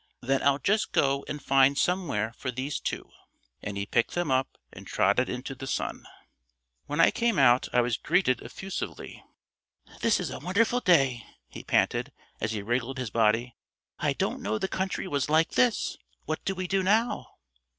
"Then I'll just go and find somewhere for these two." And he picked them up and trotted into the sun. When I came out I was greeted effusively. "This is a wonderful day," he panted, as he wriggled his body. "I didn't know the country was like this. What do we do now?"